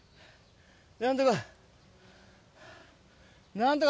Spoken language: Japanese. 何とか。